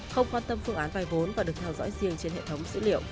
không quan tâm phương án vay vốn và được theo dõi riêng trên hệ thống dữ liệu